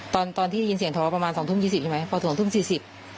ตอนตอนที่ได้ยินเสียงทะเลาะประมาณสองทุ่มยี่สิบใช่ไหมพอถึงทุ่มสี่สิบ